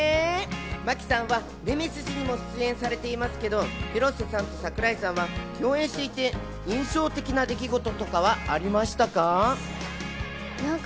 真木さんは『ネメシス』にも出演されていますけど、広瀬さんと櫻井さんは共演していて印象的な出来事とかはありましたか？